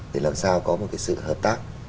để làm sao có một cái sự hợp tác